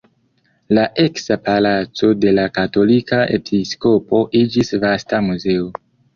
La eksa palaco de la katolika episkopo iĝis vasta muzeo.